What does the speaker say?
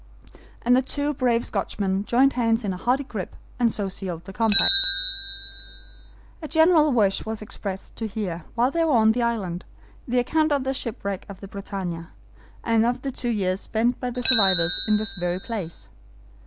And the two brave Scotchmen joined hands in a hearty grip and so sealed the compact. A general wish was expressed to hear, while they were on the island, the account of the shipwreck of the BRITANNIA, and of the two years spent by the survivors in this very place.